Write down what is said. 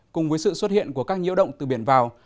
cùng với sự xuất hiện của các nhiễu động từ biển vào